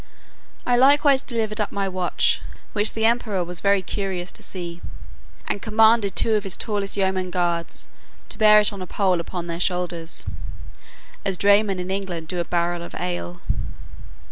I likewise delivered up my watch, which the emperor was very curious to see, and commanded two of his tallest yeomen of the guards to bear it on a pole upon their shoulders, as draymen in England do a barrel of ale.